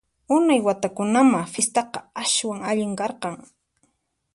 Unay watakunamá fistaqa aswan allin karqan!